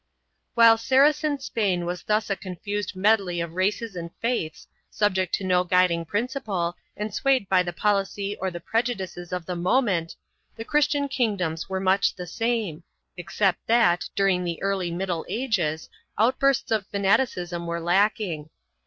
1 Wriile Saracen Spain was thus a confused medley of races and faiths, subject to no guiding principle and swayed by the policy or the prejudices of the moment, the Christian kingdoms were much the same, except that, during the early Middle Ages, out bursts of fanaticism were lacking.